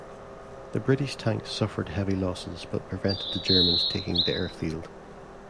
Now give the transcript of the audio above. The British tanks suffered heavy losses but prevented the Germans taking the airfield.